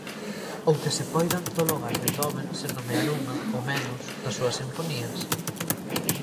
¿Ou que se poida antologar Beethoven sen nomear unha, ao menos, das súas sinfonías?